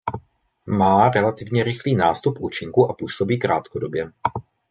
Má relativně rychlý nástup účinku a působí krátkodobě.